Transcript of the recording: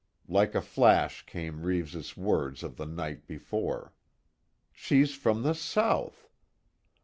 Like a flash came Reeves' words of the night before. "She's from the South."